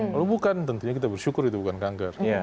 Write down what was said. kalau bukan tentunya kita bersyukur itu bukan kanker